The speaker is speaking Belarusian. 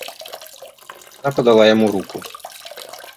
Яна падала яму руку.